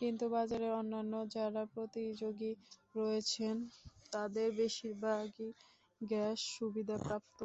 কিন্তু বাজারের অন্যান্য যাঁরা প্রতিযোগী রয়েছেন, তাঁদের বেশির ভাগই গ্যাস সুবিধাপ্রাপ্ত।